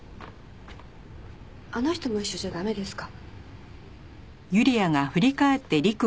あの人も一緒じゃ駄目ですか？